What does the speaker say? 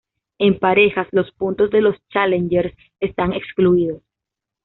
En parejas, los puntos de los Challenger están excluidos.